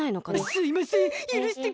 すいません。